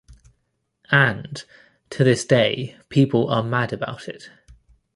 And, to this day, people are mad about it.